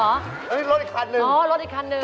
โอ้โฮรสอีกคันหนึ่งอ๋อรสอีกคันนึ่ง